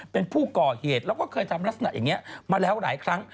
เป็นผู้ก่อเหตุแล้วก็เคยทำลักษณะอย่างนี้มาแล้วหลายครั้ง